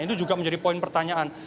itu juga menjadi poin pertanyaan